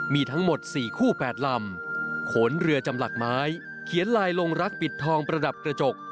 มีทั้งหมด๔คู่๘ลำโขนเรือจำหลักไม้เขียนลายลงรักปิดทองประดับกระจก